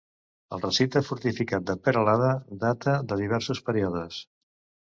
El recinte fortificat de Peralada data de diversos períodes.